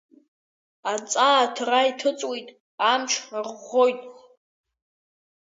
Аҵаа аҭра иҭыҵуеит, амч арыӷәӷәоит.